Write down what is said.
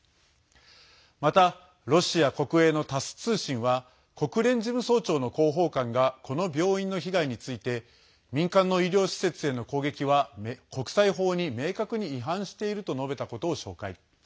また、ロシア国営のタス通信は国連事務総長の広報官がこの病院の被害について民間の医療施設への攻撃は国際法に明確に違反していると述べたことを紹介。